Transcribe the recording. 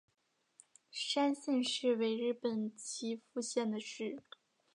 山县市为日本岐阜县的市。